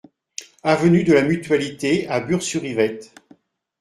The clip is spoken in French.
Avenue de la Mutualité à Bures-sur-Yvette